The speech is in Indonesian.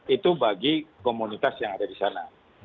itu bagi komunitas yang ada di sana